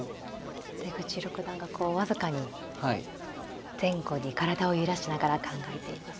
出口六段がこう僅かに前後に体を揺らしながら考えています。